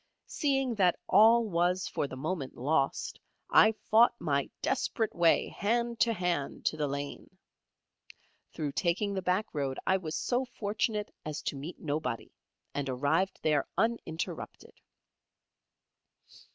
Seeing that all was for the moment lost, I fought my desperate way hand to hand to the lane. Through taking the back road, I was so fortunate as to meet nobody, and arrived there uninterrupted.